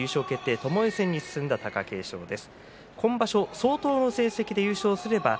ともえ戦に進んだ貴景勝です。